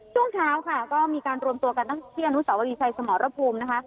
ช่วงเช้าก็มีการรวมตัวกันแรกทำที่อนุสวรีชัยสมรภูมิ